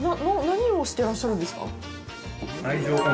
何をしてらっしゃるんですか？